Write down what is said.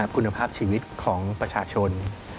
คุณภาพชีวิตของประชาชน